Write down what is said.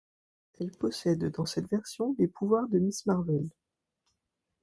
Elle possède dans cette version les pouvoirs de Miss Marvel.